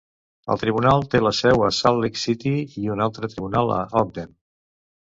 El tribunal té la seu a Salt Lake City i un altre tribunal a Ogden.